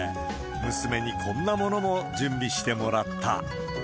娘にこんなものも準備してもらった。